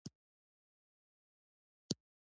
افغانستان د واورې د ساتنې لپاره ځانګړي قوانین لري.